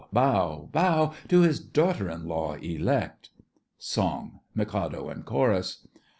Bow—Bow— To his daughter in law elect! SONG—MIKADO and CHORUS.